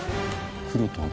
黒と赤。